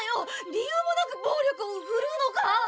理由もなく暴力を振るうのか？